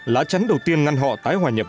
lá trắng đầu tiên ngăn họ tái hòa nhập